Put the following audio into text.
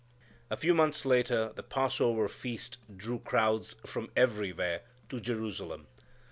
A few months later, the Passover Feast drew crowds from everywhere to Jerusalem.